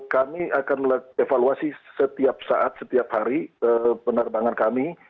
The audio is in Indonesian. kami akan evaluasi setiap saat setiap hari penerbangan kami